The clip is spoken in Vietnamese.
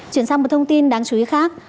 chuyển sang một thông tin đáng chú ý khác